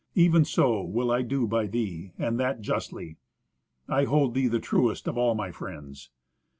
Even so will I do by thee, and that justly. I hold thee trustiest of all my friends.